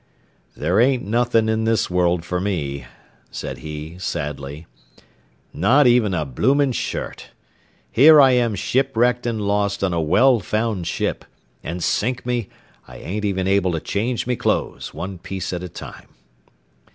"There ain't nothin' in this world fer me," said he, sadly, cc not even a bloomin' shirt. Here I am shipwrecked and lost on a well found ship, an' sink me, I ain't even able to change me clothes, one piece at a time."